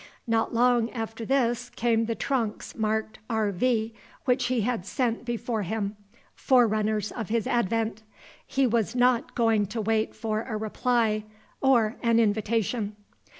Not long after this came the trunks marked R. V. which he had sent before him, forerunners of his advent: he was not going to wait for a reply or an invitation.